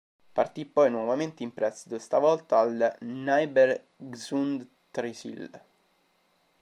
Partì poi nuovamente in prestito, stavolta al Nybergsund-Trysil.